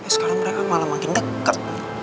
sekarang mereka malah makin dekat